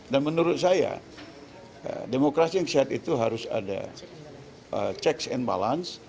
dan menurut saya demokrasi yang sehat itu harus ada checks and balance